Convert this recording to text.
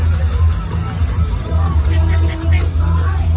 สาวมันเหยียบเทียบที่ปอนด์ด้วยจ่อย